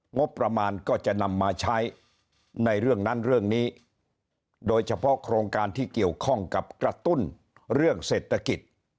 งบประมาณก็จะนำมาใช้ในเรื่องนั้นเรื่องนี้โดยเฉพาะโครงการที่เกี่ยวข้องกับกระตุ้นเรื่องเศรษฐกิจ